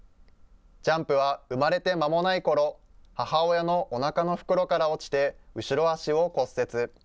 ジャンプは産まれて間もないころ、母親のおなかの袋から落ちて、後ろ足を骨折。